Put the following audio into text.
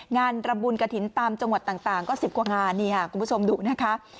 ระบุญกระถิ่นตามจังหวัดต่างก็๑๐กว่างานนี่ค่ะคุณผู้ชมดูนะคะ